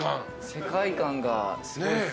世界観がすごいっすね。